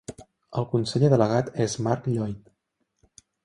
El conseller delegat és Mark Lloyd.